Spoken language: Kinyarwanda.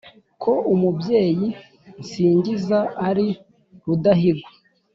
Ko Umubyeyi nsingiza ari rudahigwa